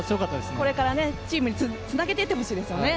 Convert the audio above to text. これからチームにつなげてほしいです。